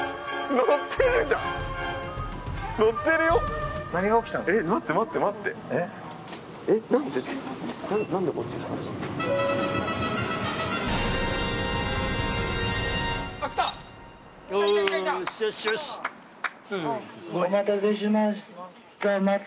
お待たせしました。